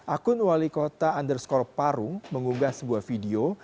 akun wali kota underscore parung mengunggah sebuah video